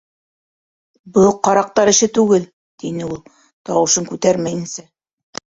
— Был ҡараҡтар эше түгел, — тине ул, тауышын күтәрмәйенсә.